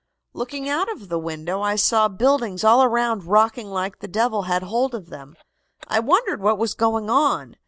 "Looking out of the window, I saw buildings all around rocking like the devil had hold of them. I wondered what was going on.